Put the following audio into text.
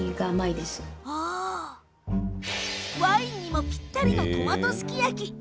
ワインにもぴったりというこのトマトすき焼き。